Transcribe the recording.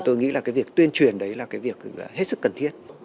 tôi nghĩ việc tuyên truyền đấy là việc hết sức cần thiết